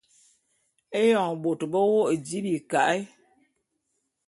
Éyoñ bôt be wô’ô di bika’e.